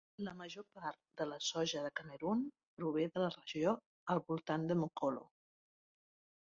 La major part de la soja de Camerun prové de la regió al voltant de Mokolo.